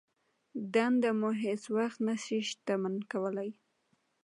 دنده مو هېڅ وخت نه شي شتمن کولای.